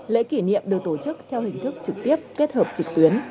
lễ kỷ niệm được tổ chức theo hình thức trực tiếp kết hợp trực tuyến